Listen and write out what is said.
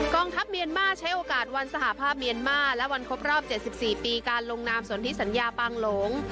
กองทัพเมียนมาใช้โอกาสวันสหภาพเมียนมาและวันครบรอบเจ็ดสิบสี่ปีการลงนามสวนธิสัญญาปางโหลง